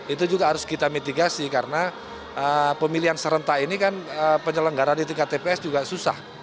itu juga harus kita mitigasi karena pemilihan serentak ini kan penyelenggara di tiga tps juga susah